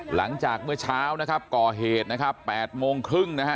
หลังจากเมื่อเช้านะครับก่อเหตุนะครับ๘โมงครึ่งนะฮะ